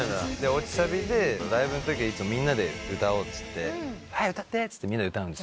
落ちサビでライブのときいつもみんなで歌おうって「はい歌って」ってみんなで歌うんですよ。